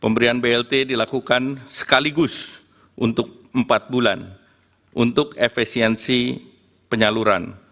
pemberian blt dilakukan sekaligus untuk empat bulan untuk efisiensi penyaluran